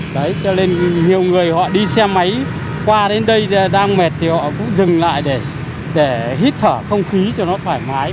đấy cho nên nhiều người họ đi xe máy qua đến đây đang mệt thì họ cũng dừng lại để hít thở không khí cho nó thoải mái